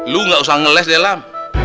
lu gak usah ngeles dalam